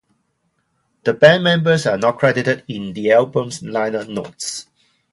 The band members are not credited in the album's liner notes.